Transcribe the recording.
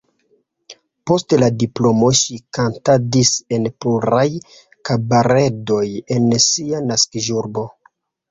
Post la diplomo ŝi kantadis en pluraj kabaredoj en sia naskiĝurbo.